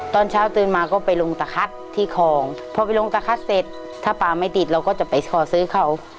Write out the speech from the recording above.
ตอนเช้าตื่นมาก็ไปลงตะคัดที่คลองพอไปลงตะคัดเสร็จถ้าปลาไม่ติดเราก็จะไปขอซื้อเขา